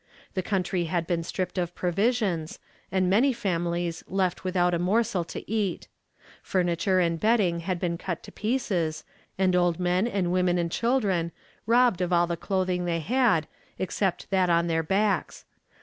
The country had been stripped of provisions, and many families left without a morsel to eat. Furniture and bedding had been cut to pieces, and old men and women and children robbed of all the clothing they had, except that on their backs.